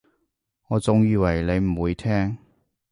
我仲以為你唔會聽